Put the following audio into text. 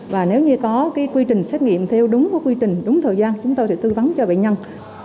và nếu như có quy trình xét nghiệm theo đúng quy trình đúng thời gian chúng tôi sẽ tư vấn cho bệnh nhân